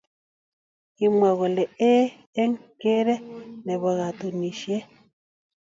Kimwa kole eeh eng geree ne bo katunishe.